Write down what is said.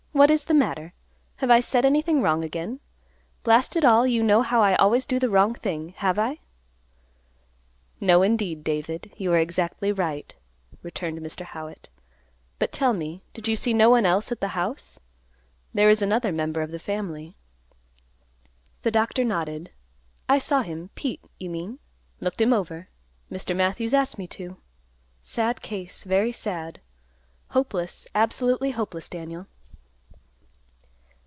What is the matter? Have I said anything wrong again? Blast it all; you know how I always do the wrong thing. Have I?" "No, indeed, David; you are exactly right," returned Mr. Howitt. "But tell me, did you see no one else at the house? There is another member of the family." The doctor nodded. "I saw him; Pete, you mean. Looked him over. Mr. Matthews asked me to. Sad case, very sad. Hopeless, absolutely hopeless, Daniel."